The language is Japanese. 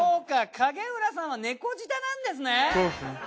影浦さんは猫舌なんですね！